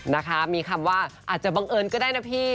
นะคะมีคำว่าอาจจะบังเอิญก็ได้นะพี่